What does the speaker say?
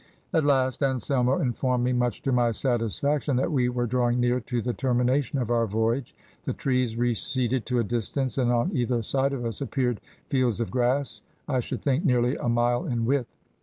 At last Anselmo informed me, much to my satisfaction, that we were drawing near to the termination of our voyage. The trees receded to a distance, and on either side of us appeared fields of grass, I should think, nearly a mile in width.